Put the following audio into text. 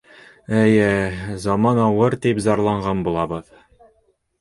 Эй, заман ауыр, тип зарланған булабыҙ.